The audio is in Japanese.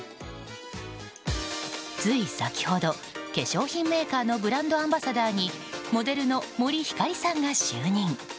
つい先ほど、化粧品メーカーのブランドアンバサダーにモデルの森星さんが就任。